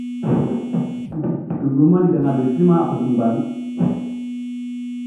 Fiti fiti cogloman ɔ ni kanga be sri man blɛ kuʼngba nu.